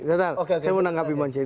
saya mau menangkapi bang celi